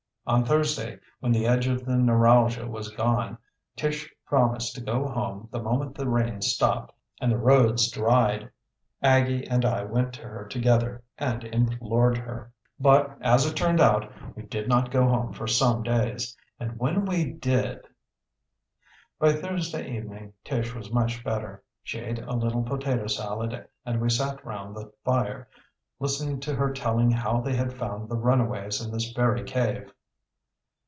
On Thursday, when the edge of the neuralgia was gone, Tish promised to go home the moment the rain stopped and the roads dried. Aggie and I went to her together and implored her. But, as it turned out, we did not go home for some days, and when we did By Thursday evening Tish was much better. She ate a little potato salad and we sat round the fire, listening to her telling how they had found the runaways in this very cave.